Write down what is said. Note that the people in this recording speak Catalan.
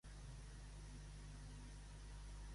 A quin altre part ha d'assistir?